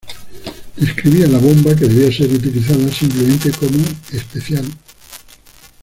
Describía la bomba que debía ser utilizada simplemente como "especial".